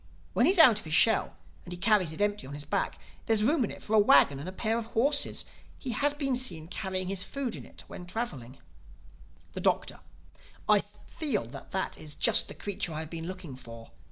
When he is out of his shell and he carries it empty on his back, there is room in it for a wagon and a pair of horses. He has been seen carrying his food in it when traveling." The Doctor: "I feel that that is just the creature I have been looking for.